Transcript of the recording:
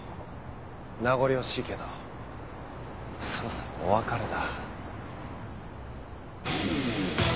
名残惜しいけどそろそろお別れだ。